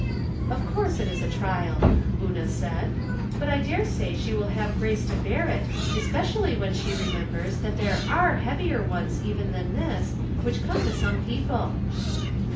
" Of course it is a trial," Una said. " But I dare say she will have grace to bear it, especially when she remembers that there are heavier ones even than tliis, which come to some people."